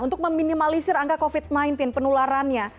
untuk meminimalisir angka covid sembilan belas penularannya